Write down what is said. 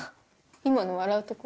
今の笑うとこ？